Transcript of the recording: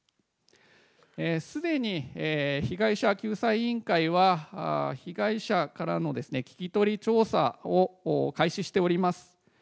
すでに被害者救済委員会は、被害者からの聞き取り調査を開始しております。